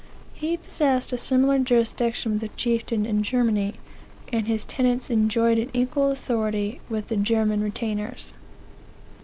He possessed a similar jurisdiction with the chieftain in Germany, and his tenants enjoyed an equal authority with the German retainers.